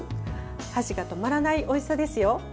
箸が止まらないおいしさですよ。